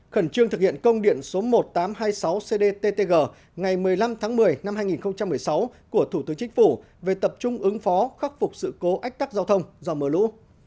khẩn trương thực hiện công điện số một nghìn tám trăm hai mươi sáu cdttg ngày một mươi năm tháng một mươi năm hai nghìn một mươi sáu của thủ tướng chính phủ về tập trung ứng phó khắc phục sự cố ách tắc giao thông do mưa lũ